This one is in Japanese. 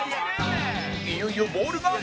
いよいよボールが！